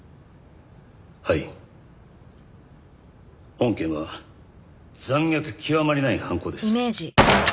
本件は残虐極まりない犯行です。